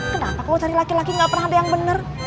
kenapa kau cari laki laki gak pernah ada yang benar